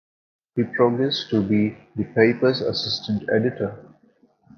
He progressed to be the paper's assistant editor.